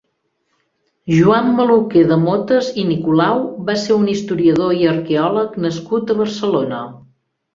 Joan Maluquer de Motes i Nicolau va ser un historiador i arqueòleg nascut a Barcelona.